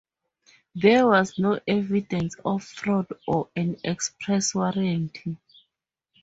There was no evidence of fraud or an express warranty.